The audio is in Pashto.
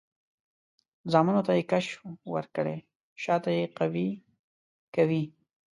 زامنو ته یې کش ورکړی؛ شاته یې قوي کوي.